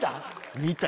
見た？